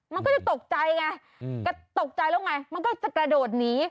มันก็จะตกใจไงก็ตกใจแล้วไงมันก็จะกระโดดหนี